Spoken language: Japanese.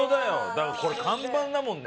だってこれ看板だもんね。